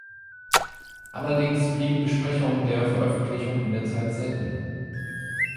Allerdings blieben Besprechungen der Veröffentlichung in der Zeit selten.